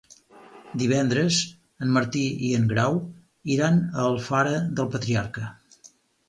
Divendres en Martí i en Grau iran a Alfara del Patriarca.